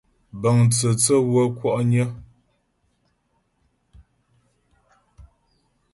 Bəŋ tsə̂tsě bə́ wə́ kwɔ'nyə.